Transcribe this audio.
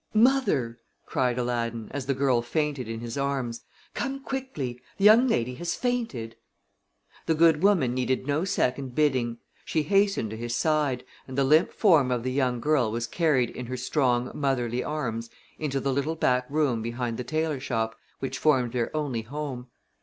"Mother!" cried Aladdin, as the girl fainted in his arms, "come quickly. The young lady has fainted." The good woman needed no second bidding. She hastened to his side, and the limp form of the young girl was carried in her strong, motherly arms into the little back room behind the tailor shop, which formed their only home.